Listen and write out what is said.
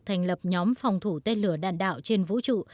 thành lập nhóm phòng thủ tên lửa đạn đạo trên vũ trụ